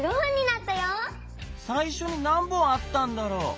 さいしょに何本あったんだろう？